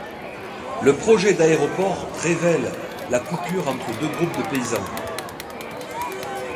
Le projet d'aéroport révèle la coupure entre deux groupes de paysans.